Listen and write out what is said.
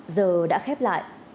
giờ đã khép lại